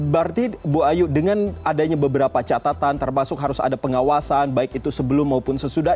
berarti bu ayu dengan adanya beberapa catatan termasuk harus ada pengawasan baik itu sebelum maupun sesudah